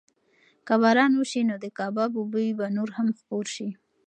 که باران وشي نو د کبابو بوی به نور هم خپور شي.